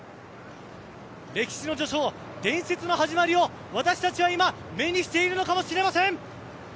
歴史の序章伝説の始まりを私たちは今目にしているのかもしれません。